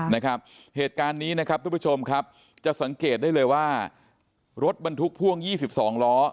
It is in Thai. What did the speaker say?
นะครับเหตุการณ์นี้นะครับทุกผู้ชมครับจะสังเกตได้เลยว่ารถบรรทุกพ่วง๒๒ล้อ